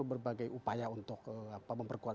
berbagai upaya untuk memperkuat